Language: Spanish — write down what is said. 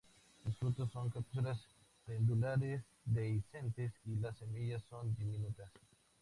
Los frutos son cápsulas pendulares, dehiscentes y las semillas son diminutas.